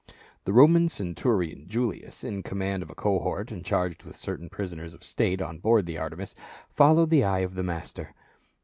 The Roman centurion, Julius, in command of a cohort and charged with certain prisoners of state on board the Aj tcinis, followed the eye of the master.